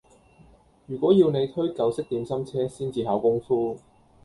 如果要你推舊式點心車先至考功夫